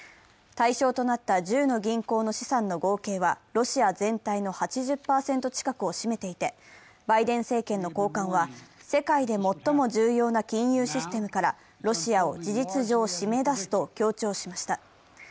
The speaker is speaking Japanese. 対象となった１０の銀行の資産の合計はロシア全体の８０％近くを占めていてバイデン政権の高官は、世界で最も重要な金融システムからロシアを事実上、締め出すと強調しました。